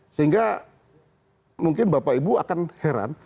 sehingga mungkin bapak ibu akan heran